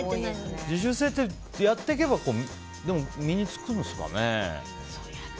自主性ってやっていけば身に着くんですかね。